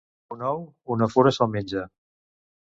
Un ou, una fura se'l menja.